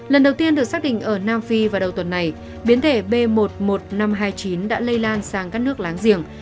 lần đầu tiên được xác định ở nam phi vào đầu tuần này biến thể b một mươi một nghìn năm trăm hai mươi chín đã lây lan sang các nước láng giềng